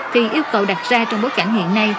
thì yêu cầu đặt ra trong bối cảnh hiện nay